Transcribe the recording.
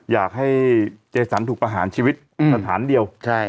อยากให้เจสันถูกประหารชีวิตสถานเดียว